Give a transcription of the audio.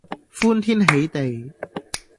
歡天喜地